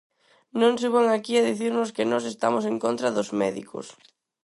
Non suban aquí a dicirnos que nós estamos en contra dos médicos.